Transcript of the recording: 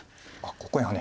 ここへハネ。